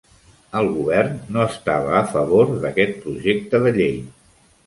El govern no estava a favor d'aquest projecte de llei.